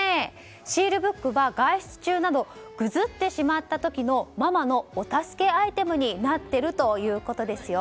シールブックは外出中などぐずってしまった時のママのお助けアイテムになっているということですよ。